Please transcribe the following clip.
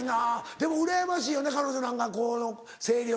でもうらやましいよな彼女なんかこの声量。